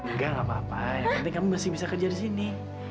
engga gak apa apa yang penting kamu masih bisa kerja disini